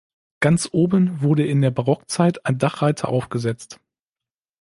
Ganz oben wurde in der Barockzeit ein Dachreiter aufgesetzt.